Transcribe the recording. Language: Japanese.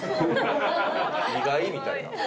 意外みたいな。